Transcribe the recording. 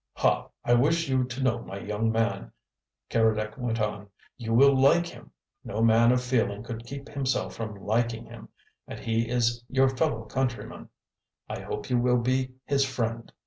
"Ha! I wish you to know my young man," Keredec went on. "You will like him no man of feeling could keep himself from liking him and he is your fellow countryman. I hope you will be his friend.